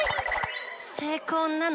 成功なの？